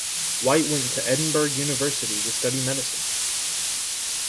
White went to Edinburgh University to study medicine.